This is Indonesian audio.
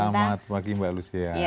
selamat pagi mbak lucia